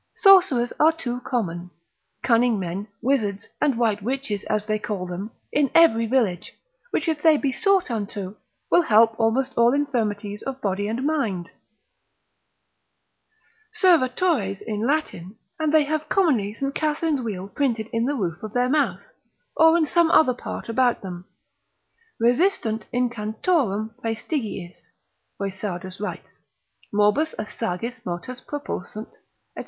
Sorcerers are too common; cunning men, wizards, and white witches, as they call them, in every village, which if they be sought unto, will help almost all infirmities of body and mind, Servatores in Latin, and they have commonly St. Catherine's wheel printed in the roof of their mouth, or in some other part about them, resistunt incantatorum praestigiis (Boissardus writes) morbos a sagis motos propulsant &c.